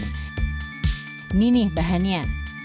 ini nih bahannya